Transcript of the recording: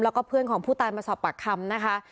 แล้วก็เพื่อนของผู้ตายมาสอบปากคำนะคะ